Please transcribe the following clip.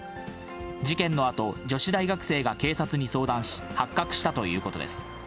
事件のあと、女子大学生が警察に相談し、発覚したということです。